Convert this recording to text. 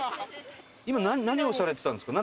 今何をされてたんですか？